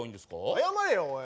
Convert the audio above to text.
謝れよおい。